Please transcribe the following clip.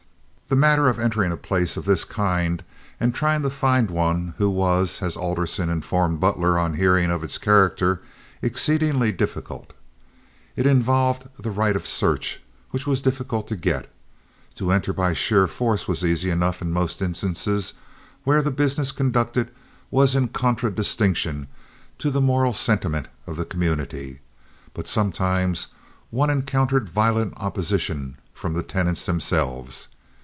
The matter of entering a place of this kind and trying to find any one was, as Alderson informed Butler on hearing of its character, exceedingly difficult. It involved the right of search, which was difficult to get. To enter by sheer force was easy enough in most instances where the business conducted was in contradistinction to the moral sentiment of the community; but sometimes one encountered violent opposition from the tenants themselves.